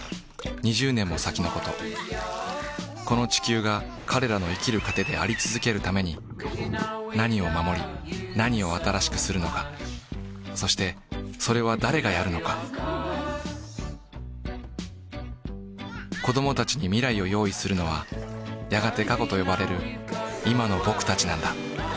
２０年も先のことこの地球が彼らの生きる糧であり続けるために何を守り何を新しくするのかそしてそれは誰がやるのかこどもたちに「未来」を用意するのはやがて過去とよばれる「今のぼくたち」なんだ